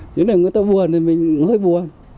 chứ nếu người ta buồn thì mình cũng hơi buồn